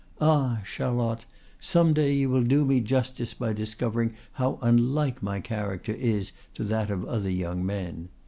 Ah! Charlotte, some day you will do me justice by discovering how unlike my character is to that of other young men.